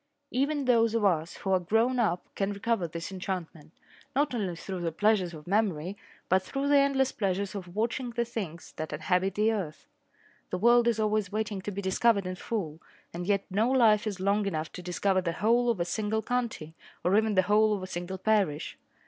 Even those of us who are grown up can recover this enchantment, not only through the pleasures of memory but through the endless pleasures of watching the things that inhabit the earth. The world is always waiting to be discovered in full, and yet no life is long enough to discover the whole of a single county, or even the whole of a single parish.